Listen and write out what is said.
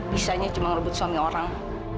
bisanya cuma ngerebut suami orang